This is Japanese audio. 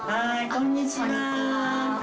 こんにちは。